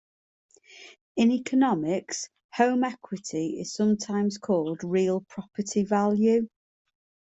In economics, "home equity" is sometimes called real property value.